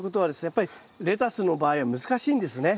やっぱりレタスの場合は難しいんですね。